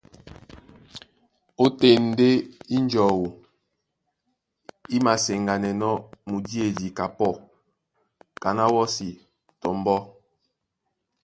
Ótên ndé ínjɔu í māseŋganɛnɔ́ mudíedi kapɔ́ kaná wɔ́si tɔ mbɔ́.